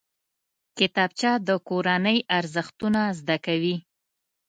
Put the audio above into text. کتابچه د کورنۍ ارزښتونه زده کوي